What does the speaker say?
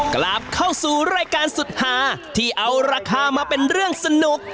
กลับเข้าสู่รายการสุดหาที่เอาราคามาเป็นเรื่องสนุก